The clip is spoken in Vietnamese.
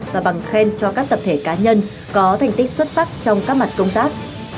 và bằng khen cho các tập thể cá nhân có thành tích xuất sắc trong các mặt công tác